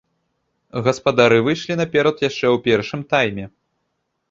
Гаспадары выйшлі наперад яшчэ ў першым тайме.